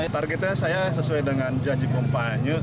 targetnya saya sesuai dengan janji kampanye